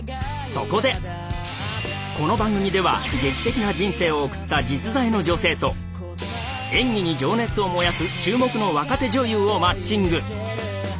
そこでこの番組では劇的な人生を送った実在の女性と演技に情熱を燃やす注目の若手女優をマッチング。